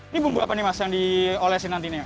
ini bumbu apa nih mas yang diolesin nantinya